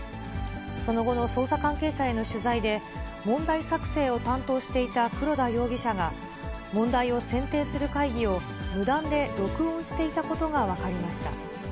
その後の捜査関係者への取材で、問題作成を担当していた黒田容疑者が、問題を選定する会議を無断で録音していたことが分かりました。